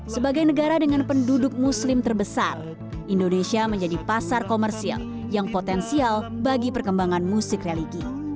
sebagai negara dengan penduduk muslim terbesar indonesia menjadi pasar komersil yang potensial bagi perkembangan musik religi